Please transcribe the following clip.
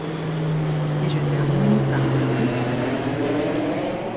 Et je termine par un avis.